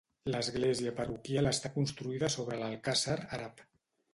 L'església parroquial està construïda sobre l'alcàsser àrab.